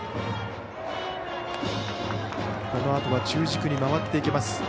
このあとは中軸に回っていきます。